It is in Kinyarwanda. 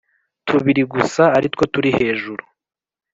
Tubiri gusa aritwo turi hejuru